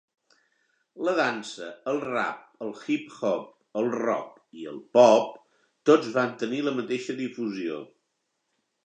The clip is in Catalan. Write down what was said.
La dansa, el rap, el hip-hop, el rock i el pop, tots van tenir la mateixa difusió.